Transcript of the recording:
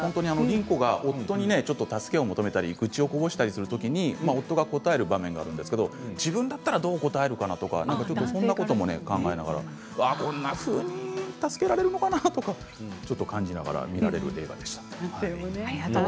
夫に助けを求めたり愚痴をこぼしたりするときに夫が答える場面があるんですけれど自分だったらどう答えるかな？とそんなことも考えながらこんなふうに助けられるかな、さすがだなとか考えました。